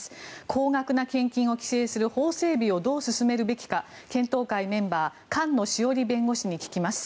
高額な献金を規制する法整備をどう進めるべきか検討会メンバー菅野志桜里弁護士に聞きます。